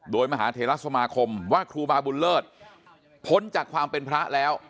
โดยมหาเทราสมาคมว่าครูบาบุญเลิศพ้นจากความเป็นพระแล้ว